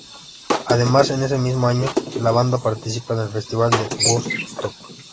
Además en ese mismo año, la banda participa en el festival de Woodstock.